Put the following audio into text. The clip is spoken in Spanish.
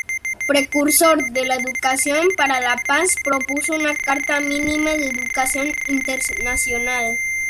Precursor de la educación para la paz, propuso una "carta mínima de educación internacional".